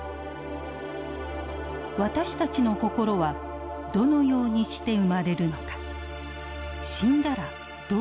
私たちの心はどのようにして生まれるのか。